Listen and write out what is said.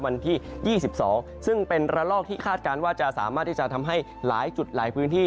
วันที่๒๒ซึ่งเป็นระลอกที่คาดการณ์ว่าจะสามารถที่จะทำให้หลายจุดหลายพื้นที่